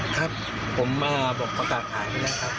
ครับผมบอกประกาศขายนะครับ